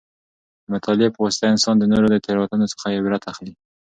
د مطالعې په واسطه انسان د نورو د تېروتنو څخه عبرت اخلي.